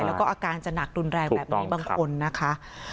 แล้วก็อาการจะหนักรุนแรงแบบนี้บางคนนะคะ